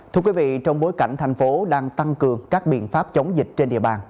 thưa quý vị trong bối cảnh thành phố đang tăng cường các biện pháp chống dịch trên địa bàn